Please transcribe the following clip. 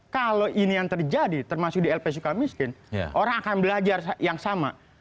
kalau ini yang terjadi termasuk di lp suka miskin orang akan belajar yang sama